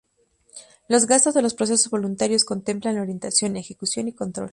Los rasgos de los procesos voluntarios contemplan la orientación, ejecución y control.